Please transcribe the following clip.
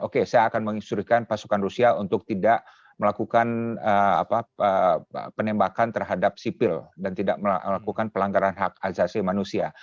oke saya akan menginsurikan pasukan rusia untuk tidak melakukan penembakan terhadap sipil dan tidak melakukan pelanggaran hak asasi manusia